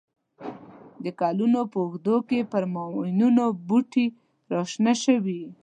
د کلونو په اوږدو کې پر ماینونو بوټي را شنه شوي.